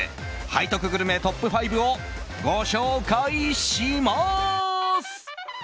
背徳グルメトップ５をご紹介します！